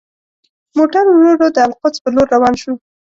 موټر ورو ورو د القدس په لور روان شو.